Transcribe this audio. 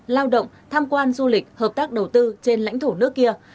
lao động tham quan du lịch hợp tác đầu tư trên lãnh thổ nước kia